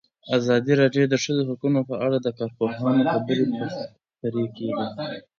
ازادي راډیو د د ښځو حقونه په اړه د کارپوهانو خبرې خپرې کړي.